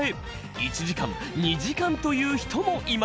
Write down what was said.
１時間２時間という人もいました。